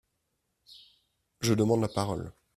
Je demande la parole